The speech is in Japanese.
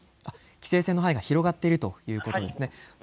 規制線の範囲が広がっているということですね。